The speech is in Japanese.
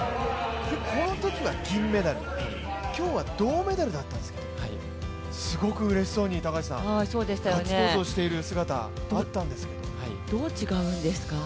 このときは銀メダル、今日は銅メダルだったんですけれども、すごくうれしそうに、ガッツポーズをしている姿があったんですけど？